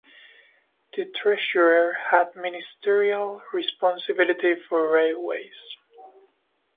The Treasurer had ministerial responsibility for railways.